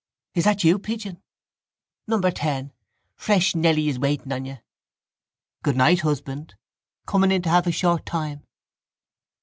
—Is that you, pigeon? —Number ten. Fresh Nelly is waiting on you. —Good night, husband! Coming in to have a short time?